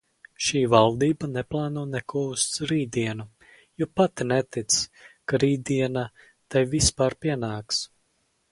Šī valdība neplāno neko uz rītdienu, jo pati netic, ka rītdiena tai vispār pienāks.